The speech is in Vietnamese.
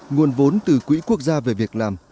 nguồn vốn từ quỹ quốc gia về việc làm